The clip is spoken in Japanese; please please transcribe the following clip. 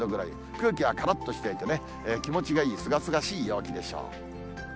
空気がからっとしていてね、気持ちがいい、すがすがしい陽気でしょう。